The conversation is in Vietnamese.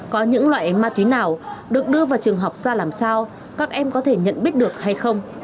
có những loại ma túy nào được đưa vào trường học ra làm sao các em có thể nhận biết được hay không